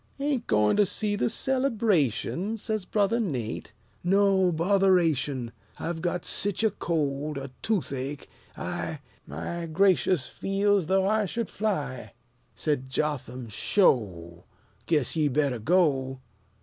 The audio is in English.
"Ain't goin' to see the celebration?" Says Brother Nate. "No; botheration! I've got sich a cold a toothache I My gracious! feel's though I should fly!" Said Jotham, "'Sho! Guess ye better go."